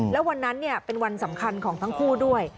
แล้ววันนั้นเป็นวันสำคัญของทั้งคู่ด้วย